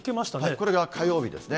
これが火曜日ですね。